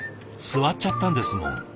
座っちゃったんですもん。